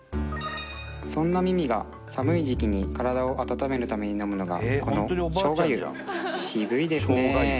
そんなミミが寒い時季に体を温めるために飲むのがこの生姜湯渋いですね